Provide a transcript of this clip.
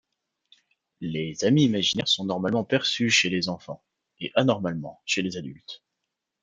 Les amis imaginaires sont normalement perçus chez les enfants, et anormalement chez les adultes.